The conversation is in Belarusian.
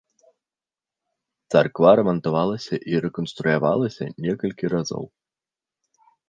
Царква рамантавалася і рэканструявалася некалькі разоў.